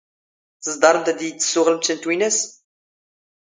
ⵜⵥⴹⴰⵕⵎⵜ ⴰⴷ ⵉⵢⵉ ⴷ ⵜⵙⵙⵓⵖⵍⵎ ⵛⴰ ⵏ ⵜⵡⵉⵏⴰⵙ?